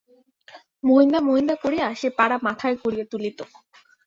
মহিনদা মহিনদা করিয়া সে পাড়া মাথায় করিয়া তুলিত।